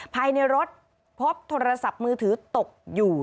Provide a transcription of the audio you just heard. ภายในรถพบโทรศัพท์มือถือตกอยู่